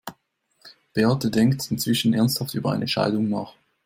Beate denkt inzwischen ernsthaft über eine Scheidung nach.